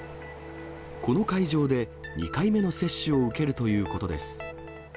この会場で２回目の接種を受けるということです。